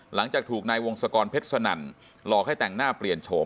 หลังจากถูกนายวงศกรเพชรสนั่นหลอกให้แต่งหน้าเปลี่ยนโฉม